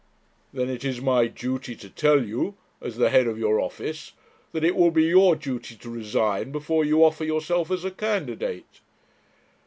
'Then it is my duty to tell you, as the head of your office, that it will be your duty to resign before you offer yourself as a candidate.'